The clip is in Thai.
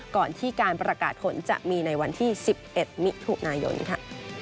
ก่อนที่การประกาศผลจะมีในวันที่๑๑มิถุนายนค่ะ